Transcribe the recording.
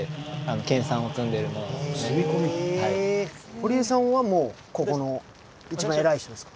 堀江さんはもうここの一番偉い人ですか？